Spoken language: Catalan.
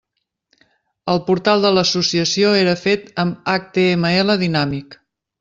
El portal de l'Associació era fet amb HTML dinàmic.